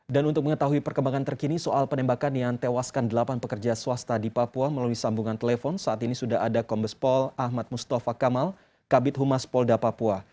dan untuk mengetahui perkembangan terkini soal penembakan yang tewaskan delapan pekerja swasta di papua melalui sambungan telepon saat ini sudah ada kombes pol ahmad mustafa kamal kabit humas polda papua